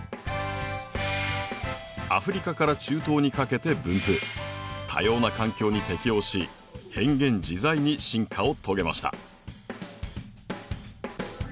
アフリカから中東にかけて分布多様な環境に適応し変幻自在に進化を遂げました。